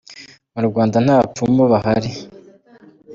Mu Rwanda nta bapfumu bahari …’.